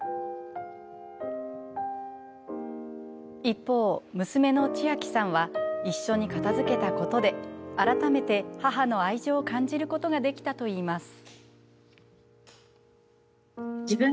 一方、娘のちあきさんは一緒に片づけたことで改めて母の愛情を感じることができたといいます。